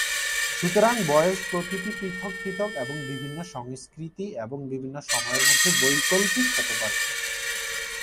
সুতরাং বয়স প্রতিটি পৃথক পৃথক এবং বিভিন্ন সংস্কৃতি এবং বিভিন্ন সময়ের মধ্যে বৈকল্পিক হতে পারে।